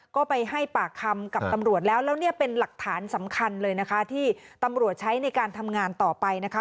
ก็ไปให้ปากคำกับตำรวจแล้วแล้วเนี่ยเป็นหลักฐานสำคัญเลยนะคะที่ตำรวจใช้ในการทำงานต่อไปนะคะ